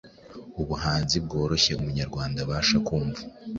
ubuhanzi bworoshye umunyarwanda abasha kumva